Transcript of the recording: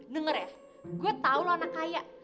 dengar ya gue tahu lo anak kaya